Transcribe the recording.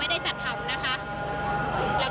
ตอนนี้เป็นครั้งหนึ่งครั้งหนึ่ง